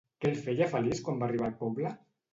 Què el feia feliç quan va arribar al poble?